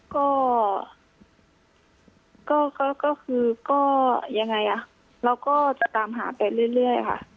ก็ก็ก็ก็คือก็ยังไงอ่ะเราก็จะตามหาไปเรื่อยเรื่อยค่ะ